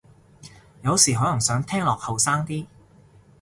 有時可能想聽落後生啲